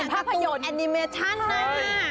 แบบภาพยนตร์แอนิเมชั่นใช่